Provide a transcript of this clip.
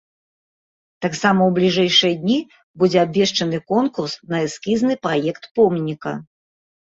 Таксама ў бліжэйшыя дні будзе абвешчаны конкурс на эскізны праект помніка.